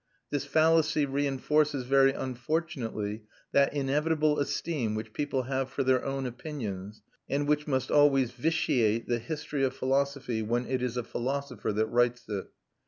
This fallacy reinforces very unfortunately that inevitable esteem which people have for their own opinions, and which must always vitiate the history of philosophy when it is a philosopher that writes it.